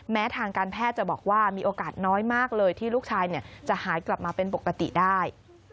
ทางการแพทย์จะบอกว่ามีโอกาสน้อยมากเลยที่ลูกชายจะหายกลับมาเป็นปกติได้